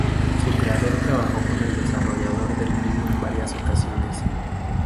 Su creador trabajó con el desarrollador del mismo en varias ocasiones.